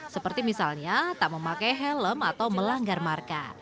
seperti misalnya tak memakai helm atau melanggar marka